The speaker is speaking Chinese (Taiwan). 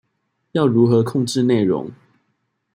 要如何控制内容